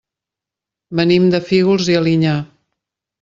Venim de Fígols i Alinyà.